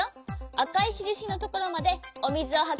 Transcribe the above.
あかいしるしのところまでおみずをはこんでいれてね。